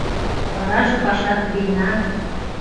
Вараже пашат вийна.